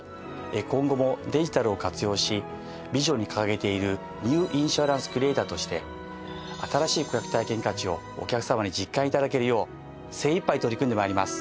今後もデジタルを活用しビションに掲げているニュー・インシュアランス・クリエイターとして新しい顧客体験価値をお客様に実感頂けるよう精いっぱい取り組んで参ります。